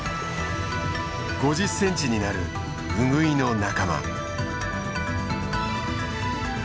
５０センチになるウグイの仲間。